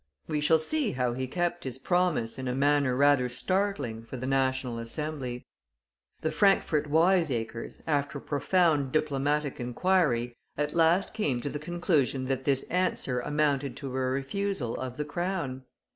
We shall see how he kept his promise in a manner rather startling for the National Assembly. The Frankfort wiseacres, after profound diplomatic inquiry, at last came to the conclusion that this answer amounted to a refusal of the crown.